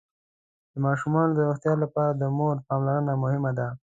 د ماشومانو د روغتيا لپاره د مور پاملرنه مهمه ده.